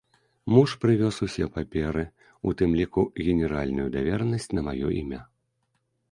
Муж прывёз усе паперы, у тым ліку генеральную даверанасць на маё імя.